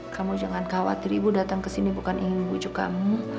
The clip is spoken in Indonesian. kamu jangan khawatir ibu datang ke sini bukan ingin bujuk kamu